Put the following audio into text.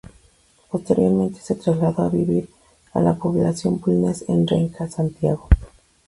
Posteriormente se trasladó a vivir a la población Bulnes en Renca, Santiago.